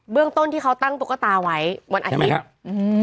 เรื่องต้นที่เขาตั้งตุ๊กตาไว้วันอาทิตย์ครับอืม